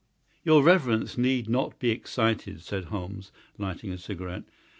"Your reverence need not be excited," said Holmes, lighting a cigarette.